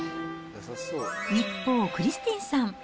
一方、クリスティンさん。